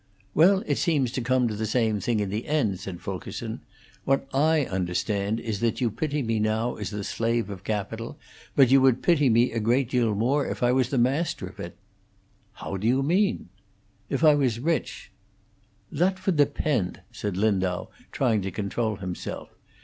"Well, it seems to come to the same thing in the end," said Fulkerson. "What I understand is that you pity me now as the slave of capital, but you would pity me a great deal more if I was the master of it." "How you mean?" "If I was rich." "That would tebendt," said Lindau, trying to control himself.